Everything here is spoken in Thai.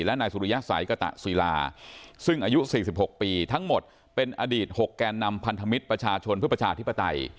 และนายสุริยสัยกตะศิลาซึ่งอายุ๔๖ปีทั้งหมดเป็นอดีต๖แกนนำพันธมิตรประชาชนเพื่อประชาธิปไตย